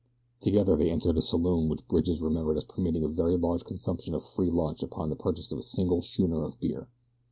Together they entered a saloon which Bridge remembered as permitting a very large consumption of free lunch upon the purchase of a single schooner of beer.